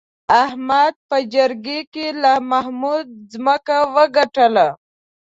احمد په جرګه کې له محمود ځمکه وګټله.